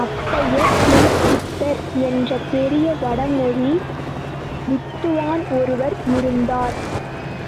அப்பைய தீட்சிதர் என்ற பெரிய வடமொழி வித்துவான் ஒருவர் இருந்தார்.